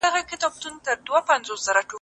ليبرال افکار په سياست کي نوي بدلونونه راولي.